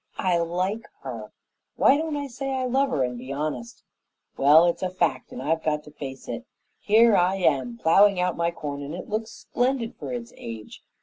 I like her. Why don't I say love her, and be honest? Well, it's a fact, and I've got to face it. Here I am, plowing out my corn, and it looks splendid for its age.